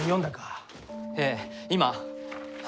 ええ今！